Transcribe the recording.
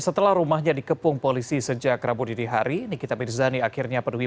setelah rumahnya dikepung polisi sejak rabu dini hari nikita mirzani akhirnya penuhi